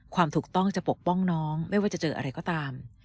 ความถูกต้องจะปกป้องน้องไม่ว่าจะเจออะไรก็ตาม